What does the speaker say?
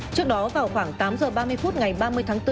trước đó vào khoảng tám h ba mươi phút ngày ba mươi tháng bốn